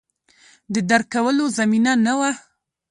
د درک کولو زمینه نه وه